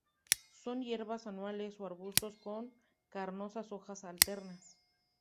Son hierbas anuales o arbustos con carnosas hojas alternas.